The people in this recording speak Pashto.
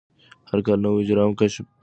هر کال نوي اجرام کشف کېږي.